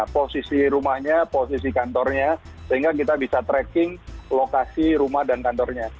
posisi rumahnya posisi kantornya sehingga kita bisa tracking lokasi rumah dan kantornya